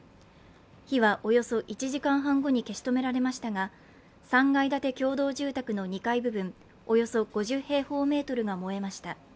火はおよそ１時間半後に消し止められましたが３階建て共同住宅の２階部分およそ５０平方メートルが燃えました。